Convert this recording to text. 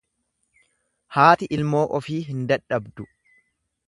Haati ilmoo ofii hin dadhabdu.